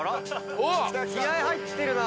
気合入ってるな。